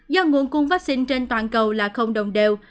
do nguồn cung vaccine trên toàn cầu là không đồng đều